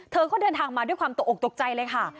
เธอก็เดินทางมาด้วยความตกออกตกใจเลยค่ะ